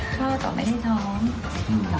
พ่อก็ไม่ไม่ทำ